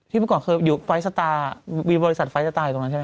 ที่เมื่อก่อนเค้าอยู่ไฟต์สตาร์บริษัทไฟต์สตาร์อยู่ตรงนั้นใช่มั้ย